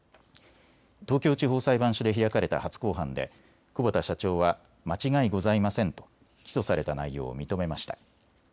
東京地方裁判所で開かれた初公判で久保田社長は間違いございませんと起訴された内容を認めました。